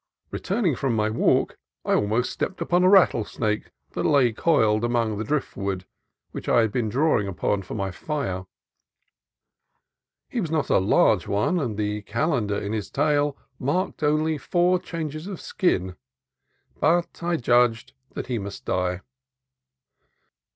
Returning from my walk, I almost stepped upon a rattlesnake that lay coiled among the driftwood A SUNSET ISLAND 113 which I had been drawing upon for my fire. He was not a large one, and the calendar in his tail marked only four changes of skin; but I judged that he must die.